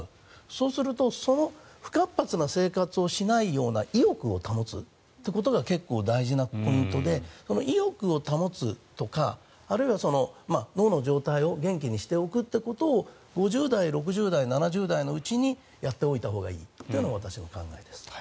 そうするとその不活発な生活をしないような意欲を保つことが結構、大事なポイントで意欲を保つとかあるいは脳の状態を元気にしておくということを５０代、６０代、７０代のうちにやっておいたほうがいいというのが私の考えです。